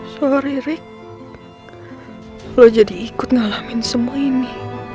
sorry rick lo jadi ikut ngalamin semua ini